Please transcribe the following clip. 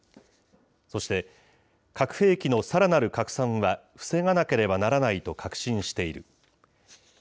そして、核兵器のさらなる拡散は防がなければならないと確信している。